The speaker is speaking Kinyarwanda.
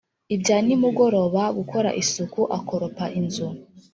ibya nimugoroba, gukora isuku akoropa inzu,